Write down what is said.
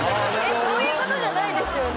そういう事じゃないですよね？